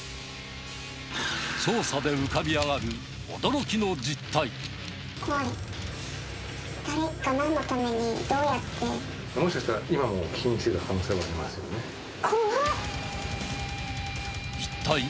調査で浮かび上がる驚きの実怖い。